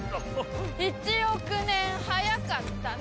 一億年早かったな！